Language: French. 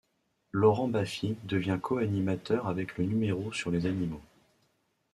Laurent Baffie devient co-animateur avec le numéro sur les animaux.